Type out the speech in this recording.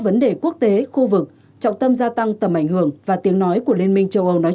vấn đề quốc tế khu vực trọng tâm gia tăng tầm ảnh hưởng và tiếng nói của liên minh châu âu nói